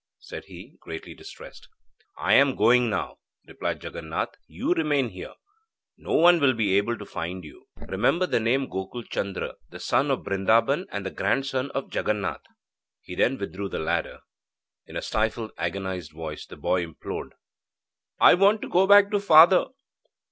said he, greatly distressed. 'I am going now,' replied Jaganath; 'you remain here. No one will be able to find you. Remember the name Gokul Chandra, the son of Brindaban, and the grandson of Jaganath.' He then withdrew the ladder. In a stifled, agonised voice the boy implored: 'I want to go back to father.'